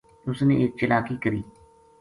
اس نے ایک چلاکی کری